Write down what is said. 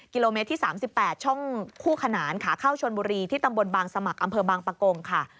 กิโลเมตรที่๓๘ช่องคู่ขนานขาเข้าชนบุรีที่ตำบลบางสมัครอำเภอบางปะกงค่ะ